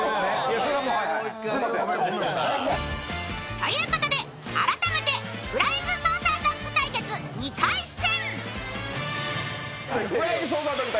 ということで改めてフライングコースター対決２回戦。